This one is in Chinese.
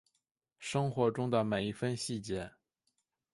生活中的每一分细节